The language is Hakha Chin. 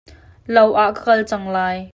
Lo ah ka kal cang lai.